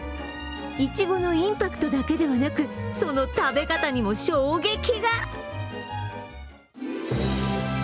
いちごのインパクトだけではなくその食べ方にも衝撃が。